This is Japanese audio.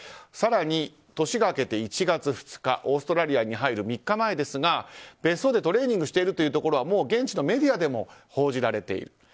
更に年が明けて１月２日オーストラリアに入る３日前ですが別荘でトレーニングしているところが現地のメディアでも報じられている。